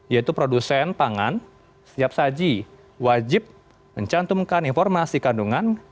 yaitu produsen pangan setiap saji wajib mencantumkan informasi kandungan